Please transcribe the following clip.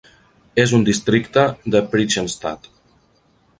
És un districte de Prichsenstadt.